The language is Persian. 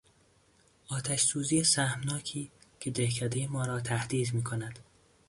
آتش سوزی سهمناکی که دهکدهی ما را تهدید می کند